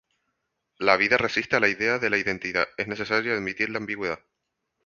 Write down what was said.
La vida resiste a la idea de la identidad, es necesario admitir la ambigüedad.